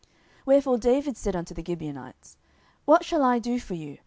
10:021:003 Wherefore David said unto the Gibeonites, What shall I do for you?